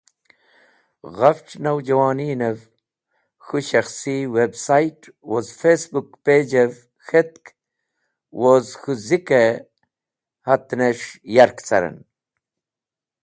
Ghafch Nawjawonve k̃hu shaksi website woz fb page ev k̃hetk woz K̃hu Zike hatnes̃h yark caren.